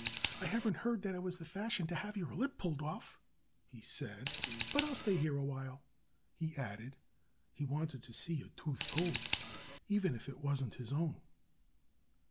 "I haven't heard that it was the fashion to have your lip pulled off," he said. "But I'll stay here a while," he added. He wanted to see a tooth pulled, even if it wasn't his own.